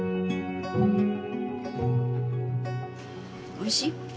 おいしい？